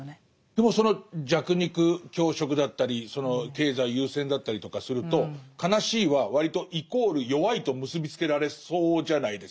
でもその弱肉強食だったり経済優先だったりとかすると悲しいは割とイコール弱いと結び付けられそうじゃないですか。